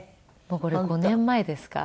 もうこれ５年前ですか？